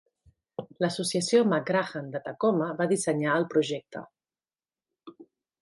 L'associació McGranahan de Tacoma va dissenyar el projecte.